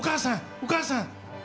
お母さん！